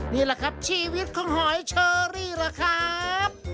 นี่แหละครับชีวิตของหอยเชอรี่ล่ะครับ